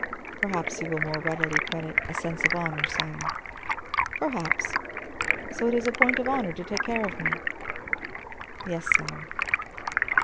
"Perhaps you will more readily credit a sense of honor, sire." "Perhaps. So it is a point of honor to take care of me?" "Yes, sire."